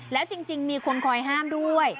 แล้วจริงมีคนคอยห้ามด้วย